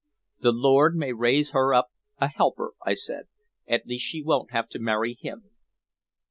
"The Lord may raise her up a helper," I said. "At least she won't have to marry him."